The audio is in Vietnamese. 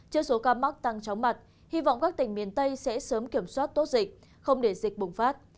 trước số ca mắc tăng chóng mặt hy vọng các tỉnh miền tây sẽ sớm kiểm soát tốt dịch không để dịch bùng phát